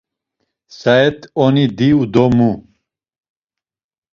Saet oni diu do mu?